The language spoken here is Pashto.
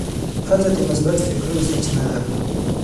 ښځه د مثبت فکرونو سرچینه ده.